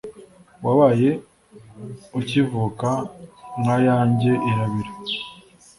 Wabaye ukivuka nka yanjye irabira